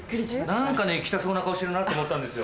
何か行きたそうな顔してるなって思ったんですよ。